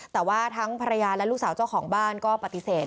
แต่ว่าทั้งภรรยาและลูกสาวเจ้าของบ้านก็ปฏิเสธ